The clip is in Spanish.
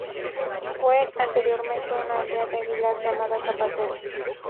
Fue anteriormente una aldea de Aguilar llamada Zapateros.